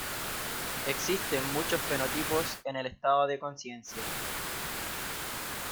Existen muchos fenotipos en el estado de consciencia.